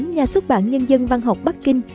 nhà xuất bản nhân dân văn học bắc kinh